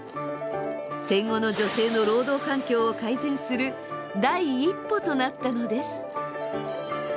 戦後の女性の労働環境を改善する第一歩となったのです。